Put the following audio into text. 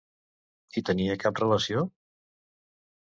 Hi tenia cap relació?